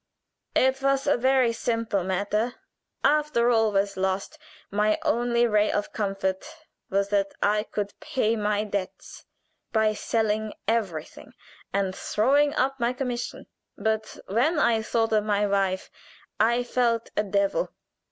"It was a very simple matter. After all was lost, my only ray of comfort was that I could pay my debts by selling everything, and throwing up my commission. But when I thought of my wife I felt a devil.